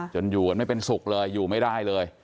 อยู่กันไม่เป็นสุขเลยอยู่ไม่ได้เลย